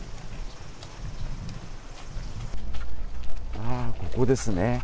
ああ、ここですね。